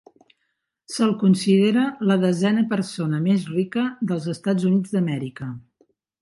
Se'l considera la desena persona més rica dels Estats Units d'Amèrica.